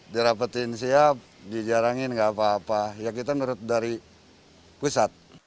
dirapetin siap dijarangin nggak apa apa ya kita menurut dari pusat